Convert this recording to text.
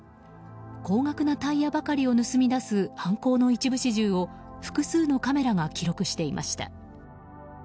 高額なタイヤばかりを盗み出す犯行の一部始終を複数のカメラが記録していました。